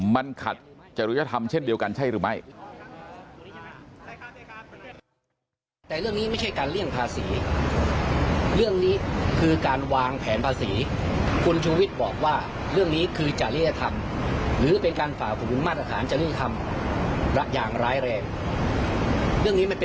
มันขัดจริยธรรมเช่นเดียวกันใช่หรือไม่